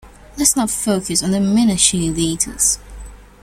Let's not focus on the Minutiae details.